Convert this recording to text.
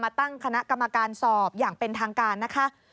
ตั้งคณะกรรมการสอบอย่างเป็นทางการนะคะ